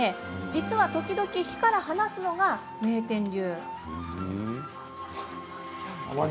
実は時々火から離すのが名店流。